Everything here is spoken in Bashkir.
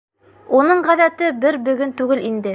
Уның ғәҙәте бер бөгөн түгел инде.